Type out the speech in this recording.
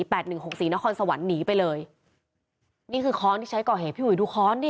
แปดหนึ่งหกสี่นครสวรรค์หนีไปเลยนี่คือค้อนที่ใช้ก่อเหตุพี่อุ๋ยดูค้อนดิ